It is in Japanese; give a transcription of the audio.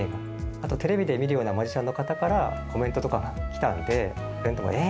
あとテレビで見るようなマジシャンの方からコメントとかも来たんで、蓮人も、えー！